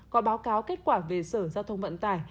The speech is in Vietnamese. có báo cáo kết quả về sở giao thông vận tải